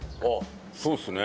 そうっすね。